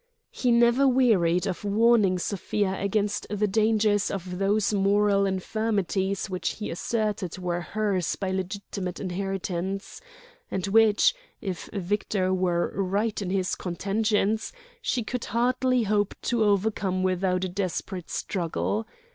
He never wearied of warning Sofia against the dangers of those moral infirmities which he asserted were hers by legitimate inheritance; and which, if Victor were right in his contentions, she could hardly hope to overcome without a desperate struggle.